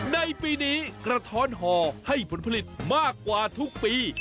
ในปีนี้กระท้อนห่อให้ผลผลิตมากกว่าทุกปี